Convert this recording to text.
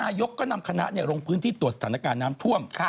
ยกก็นำคณะลงพื้นที่ตรวจสถานการณ์น้ำท่วม